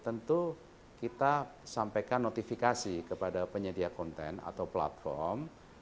tentu kita sampaikan notifikasi kepada penyedia konten atau platform